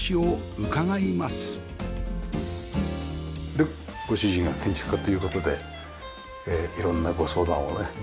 でご主人が建築家という事で色んなご相談をね。